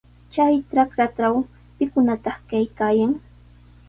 Chay trakratraw, ¿pikunataq kaykaayan?